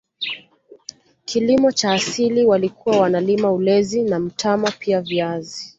Kilimo cha asili walikuwa wanalima ulezi na mtama pia viazi